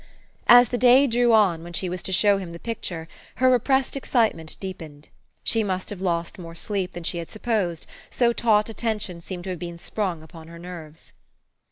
As the day drew on when she was to show him the picture, her repressed excitement deepened. She must have lost more sleep than she had sup posed, so taut a tension seemed to have been sprung upon her nerves.